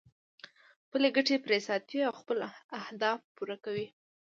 خپلې ګټې پرې ساتي او خپل اهداف پوره کوي.